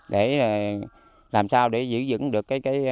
để làm sao để giữ dững được